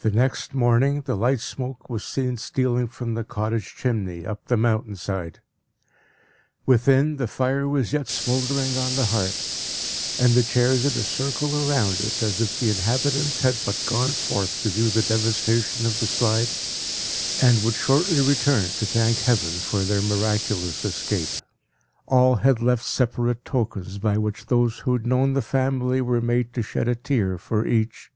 The next morning, the light smoke was seen stealing from the cottage chimney, up the mountain side. Within, the fire was yet smouldering on the hearth, and the chairs in a circle round it, as if the inhabitants had but gone forth to view the devastation of the Slide, and would shortly return, to thank Heaven for their miraculous escape. All had left separate tokens, by which those who had known the family were made to shed a tear for each.